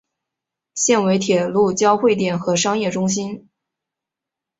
现为铁路交会点和商业中心。